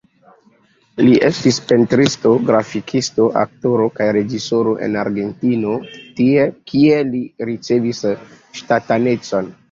Li estis pentristo, grafikisto, aktoro kaj reĝisoro en Argentino, kie li ricevis ŝtatanecon.